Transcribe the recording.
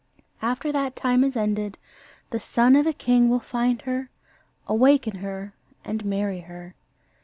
After that time is ended, the son of a king will find her, awaken her, and marry her."